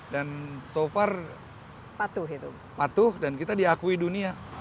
dan so far patuh dan kita diakui dunia